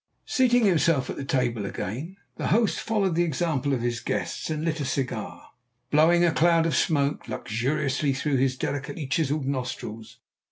Seating himself at the table again, the host followed the example of his guests and lit a cigar, blowing a cloud of smoke luxuriously through his delicately chiselled nostrils.